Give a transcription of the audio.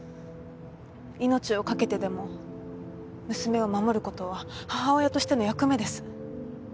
命を懸けてでも娘を守ることは母親としての役目です。